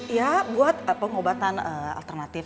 ya buat pengobatan alternatif